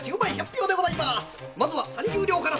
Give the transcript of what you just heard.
まずは三十両から。